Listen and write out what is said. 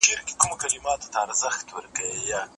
او خپل ملي بیرغ پورته کولای نه سي